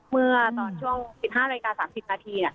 เมื่อตอนช่วง๑๕นาฬิกา๓๐นาที